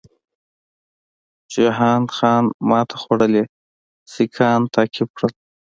جهان خان ماته خوړلي سیکهان تعقیب کړل.